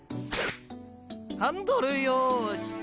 ハンドルよし。